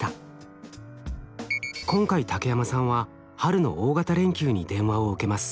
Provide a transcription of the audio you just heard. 今回竹山さんは春の大型連休に電話を受けます。